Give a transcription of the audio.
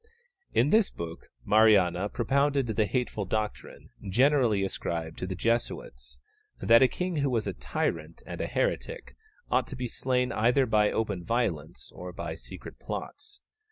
In this book Mariana propounded the hateful doctrine, generally ascribed to the Jesuits, that a king who was a tyrant and a heretic ought to be slain either by open violence or by secret plots.